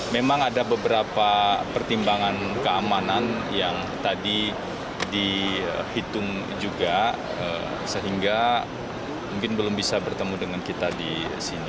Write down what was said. memang ada beberapa pertimbangan keamanan yang tadi dihitung juga sehingga mungkin belum bisa bertemu dengan kita di sini